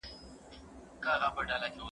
مدني ټولنو د خلګو حقونه غوښتل.